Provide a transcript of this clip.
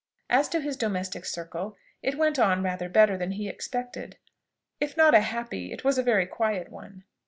As to his domestic circle, it went on rather better than he expected: if not a happy, it was a very quiet one.